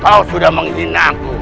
kau sudah menghina aku